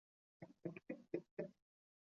然而该国后来放弃了两个女子席位。